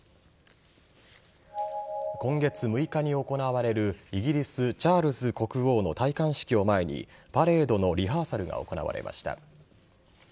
今月６日に行われるイギリス・チャールズ国王の戴冠式を前にパレードのリハーサルが行われました。